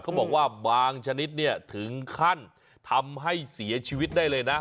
เขาบอกว่าบางชนิดเนี่ยถึงขั้นทำให้เสียชีวิตได้เลยนะ